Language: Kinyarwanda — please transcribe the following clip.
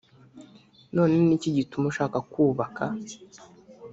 none ni iki gituma ushaka kubaka